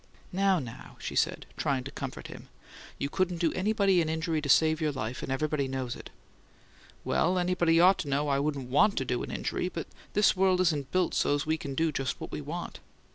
"Now, now!" she said, trying to comfort him. "You couldn't do anybody an injury to save your life, and everybody knows it." "Well, anybody ought to know I wouldn't WANT to do an injury, but this world isn't built so't we can do just what we want."